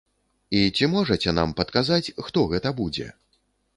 І ці можаце нам падказаць, хто гэта будзе?